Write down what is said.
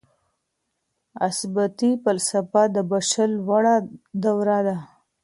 اثباتي فلسفه د بشر لوړه دوره ده.